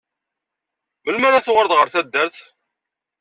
Melmi ara tuɣaleḍ ɣer taddart?